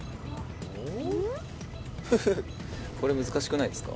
これ難しくないですか？